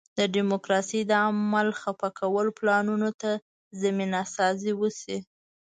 د ډیموکراسۍ د عمل خفه کولو پلانونو ته زمینه سازي وشي.